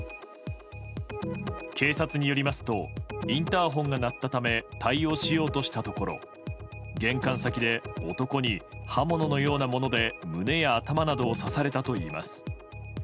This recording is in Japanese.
警察によりますとインターホンが鳴ったため対応しようとしたところ玄関先で男に刃物のようなもので胸や頭などを刺されたといいます。